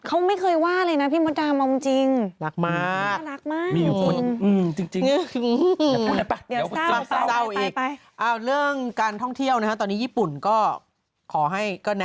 เขาไม่เคยว่าเลยนะพี่มดรามองจริง